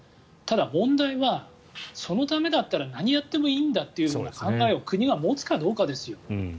ただ、問題は、そのためだったら何をやってもいいんだという考えを国が持つかどうかですよ。